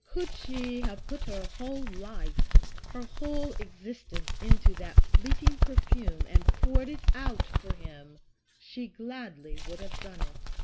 Could she have put her whole life, her whole existence, into that fleeting perfume and poured it out for him, she gladly would have done it.